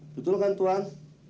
betul kan tuan